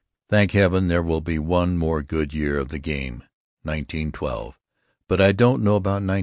Thank heaven there will be one more good year of the game, 1912, but I don't know about 1913.